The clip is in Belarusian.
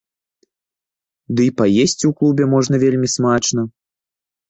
Ды і паесці ў клубе можна вельмі смачна.